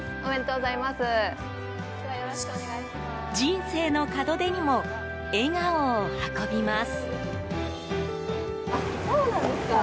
人生の門出にも笑顔を運びます。